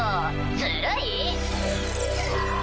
ずるい。